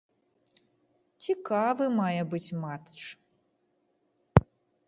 Цікавы мае быць матч.